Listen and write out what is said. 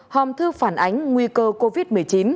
hòm thư phản ánh nguy cơ covid một mươi chín